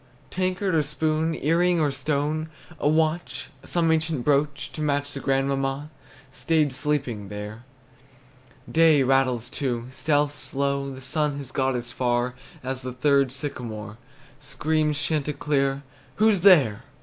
Tankard, or spoon, Earring, or stone, A watch, some ancient brooch To match the grandmamma, Staid sleeping there. Day rattles, too, Stealth's slow; The sun has got as far As the third sycamore. Screams chanticleer, "Who's there?"